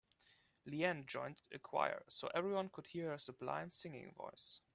Leanne joined a choir so everyone could hear her sublime singing voice.